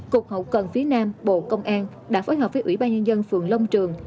cục hậu cần phía nam bộ công an đã phối hợp với ủy ban nhân dân phường long trường